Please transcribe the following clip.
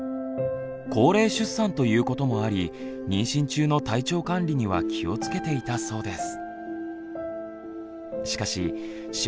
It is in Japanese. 高齢出産ということもあり妊娠中の体調管理には気をつけていたそうです。